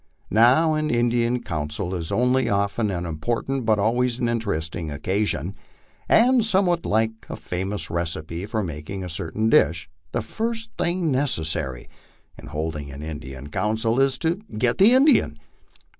Now an Indian council is not only often an important but always an interesting occasion. And, somewhat like a famous recipe for mak ing a certain dish, the first thing necessary in holding an Indian council is to get the Indian.